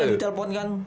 di telpon kan